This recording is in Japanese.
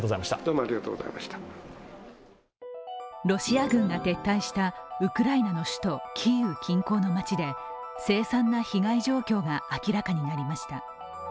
ロシア軍が撤退したウクライナ首都キーウ近郊の街で凄惨な被害状況が明らかになりました。